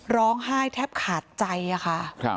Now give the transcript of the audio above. ร้องไห้แทบขาดใจค่ะ